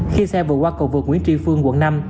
khi xe vừa qua cầu vượt nguyễn tri phương quận năm